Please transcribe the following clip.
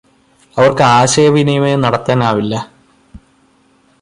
അവര്ക്ക് ആശയവിനിമയം നടത്താനാവില്ല